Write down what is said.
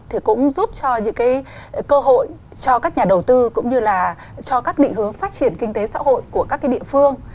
thì cũng giúp cho những cái cơ hội cho các nhà đầu tư cũng như là cho các định hướng phát triển kinh tế xã hội của các cái địa phương